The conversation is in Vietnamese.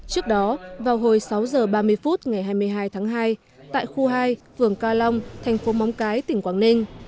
trước đó vào hồi sáu h ba mươi phút ngày hai mươi hai tháng hai tại khu hai phường ca long thành phố móng cái tỉnh quảng ninh